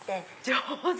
上手！